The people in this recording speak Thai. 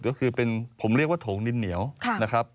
ก็คือเป็นผมเรียกว่าถงนิ้วนะครับ